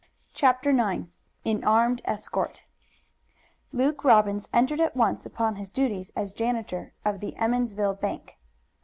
CHAPTER IX AN ARMED ESCORT Luke Robbins entered at once upon his duties as janitor of the Emmonsville bank.